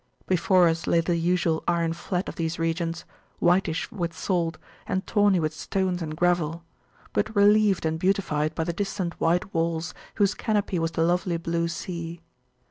Before us lay the usual iron flat of these regions, whitish with salt, and tawny with stones and gravel; but relieved and beautified by the distant white walls, whose canopy was the lovely blue sea.